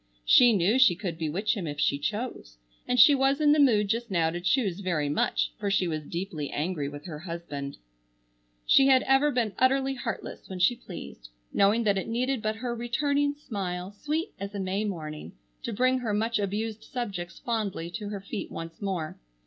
She knew she could bewitch him if she chose, and she was in the mood just now to choose very much, for she was deeply angry with her husband. She had ever been utterly heartless when she pleased, knowing that it needed but her returning smile, sweet as a May morning, to bring her much abused subjects fondly to her feet once more.